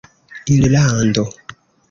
irlando